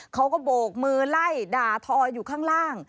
เขาก็โบกมือไล่ด่าทออยู่ข้างล่าง